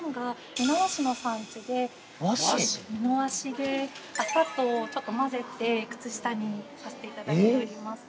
◆美濃和紙で、麻とちょっと混ぜて靴下にさせていただいております。